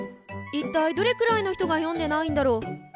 一体どれくらいの人が読んでないんだろう。